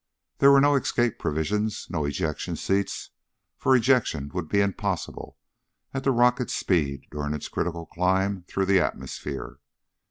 There were no escape provisions, no ejection seats, for ejection would be impossible at the rocket's speeds during its critical climb through the atmosphere.